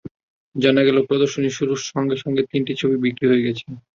জানা গেল, প্রদর্শনী শুরুর সঙ্গে সঙ্গে তিনটি ছবি বিক্রি হয়ে গেছে।